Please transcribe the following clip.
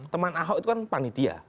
teman ahok itu kan panitia